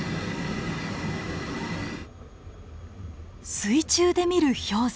水中で見る氷山。